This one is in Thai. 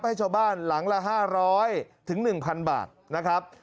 ให้ชาวบ้านหลังละ๕๐๐๑๐๐บาทนะครับ